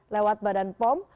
lewat badan pom